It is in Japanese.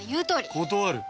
断る。